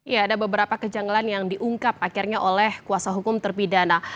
ya ada beberapa kejanggalan yang diungkap akhirnya oleh kuasa hukum terpidana